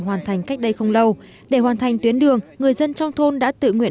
hoàn thành cách đây không lâu để hoàn thành tuyến đường người dân trong thôn đã tự nguyện